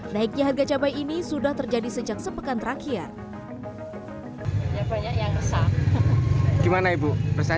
naiknya harga cabai ini sudah terjadi sejak sepekan terakhir